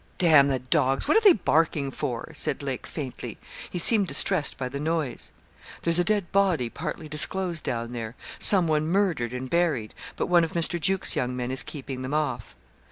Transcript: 'D the dogs, what are they barking for?' said Lake, faintly. He seemed distressed by the noise. 'There's a dead body partly disclosed down there some one murdered and buried; but one of Mr. Juke's young men is keeping them off.'